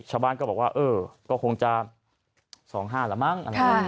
ชาวบ้านก็บอกว่าเออก็คงจะ๒๕ละมั้ง